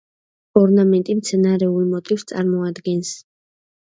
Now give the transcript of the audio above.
ორნამენტი მცენარეულ მოტივს წარმოადგენს.